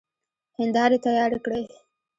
هيندارې تيارې کړئ!